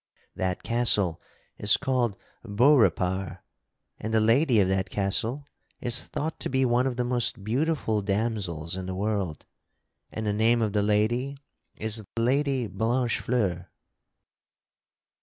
That castle is called Beaurepaire, and the lady of that castle is thought to be one of the most beautiful damosels in the world. And the name of the lady is Lady Blanchefleur.